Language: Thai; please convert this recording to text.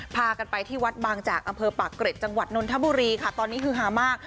พากันไปที่วัดบางจากอำเภอปากเกร็ดจังหวัดนนทบุรีค่ะตอนนี้คือฮามาก